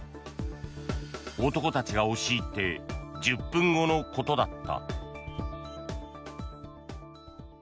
男たちが押し入って１０分後のことだった。